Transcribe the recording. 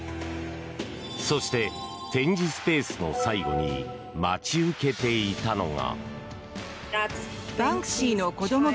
そして、展示スペースの最後に待ち受けていたのが。